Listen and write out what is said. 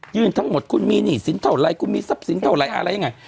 ทั้งหมดคุณมีหนี้สินเท่าไรคุณมีทรัพย์สินเท่าไหร่อะไรยังไง